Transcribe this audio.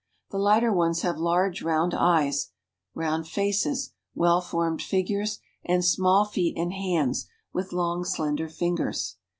The lighter ones have large round eyes, round faces, well formed figures, and small feet and hands, with long slender fingers.